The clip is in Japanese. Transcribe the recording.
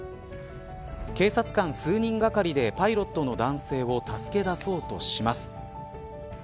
警察官数人がかりでパイロットの男性を助け出そうとします。